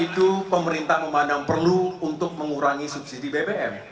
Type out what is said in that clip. itu pemerintah memandang perlu untuk mengurangi subsidi bbm